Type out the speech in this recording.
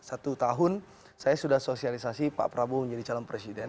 satu tahun saya sudah sosialisasi pak prabowo menjadi calon presiden